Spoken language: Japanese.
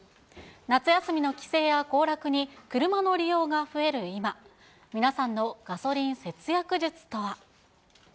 夏休みの帰省や行楽に車の利用が増える今、皆さんのガソリン節約術とは。